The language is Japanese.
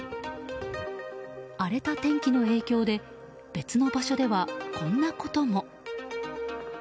荒れた天気の影響で別の場所ではこんなことも。